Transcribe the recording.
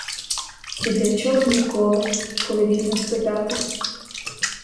І для чого ніколи, коли вільно спитати?